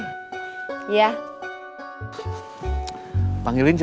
apa apa kecil moist gitu